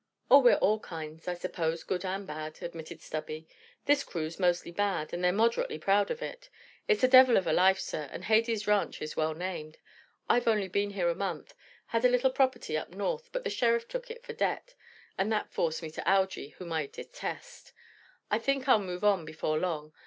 "Oh, we're all kinds, I suppose, good and bad," admitted Stubby. "This crew's mostly bad, and they're moderately proud of it. It's a devil of a life, sir, and Hades Ranch is well named. I've only been here a month. Had a little property up North; but the sheriff took it for debt, and that forced me to Algy, whom I detest. I think I'll move on, before long.